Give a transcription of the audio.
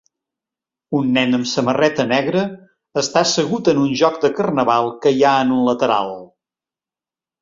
Un nen amb samarreta negra està assegut en un joc de carnaval que hi ha en un lateral.